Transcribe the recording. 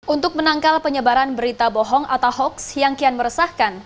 untuk menangkal penyebaran berita bohong atau hoaks yang kian meresahkan